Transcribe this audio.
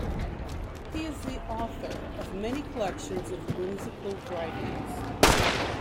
He is the author of many collections of whimsical writings.